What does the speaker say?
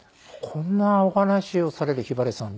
こんなお話をされるひばりさん